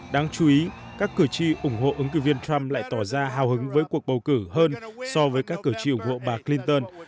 đáng chú ý các cử tri ủng hộ ứng cử viên trump lại tỏ ra hào hứng với cuộc bầu cử hơn so với các cử tri ủng hộ bà clinton